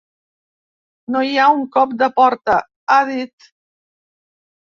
No hi ha un cop de porta, ha dit.